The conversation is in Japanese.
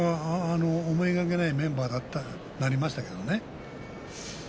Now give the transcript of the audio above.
思いがけないメンバーになりましたけどね。